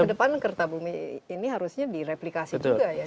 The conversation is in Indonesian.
kedepan kerta bumi ini harusnya direplikasi juga ya